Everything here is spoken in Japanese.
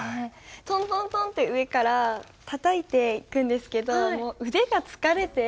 トントントンッって上からたたいていくんですけどもう腕が疲れて。